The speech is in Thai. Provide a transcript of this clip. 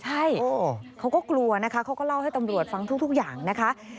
ใช่เขาก็กลัวนะคะเขาก็เล่าให้ตำรวจฟังทุกอย่างนะคะ